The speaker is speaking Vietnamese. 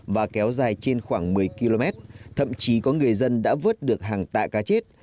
và kéo dài trên khoảng một mươi km thậm chí có người dân đã vớt được hàng tạ cá chết